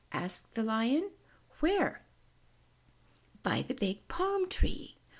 said the Lion. "Where?" "By the big palm tree.